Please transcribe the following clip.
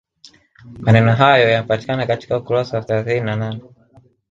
Maneno hayo yanapatikana katika ukurasa wa thelathini na nane